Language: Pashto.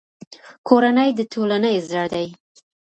کورنۍ د ټولنې زړه دی.